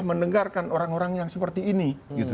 mendengarkan orang orang yang seperti ini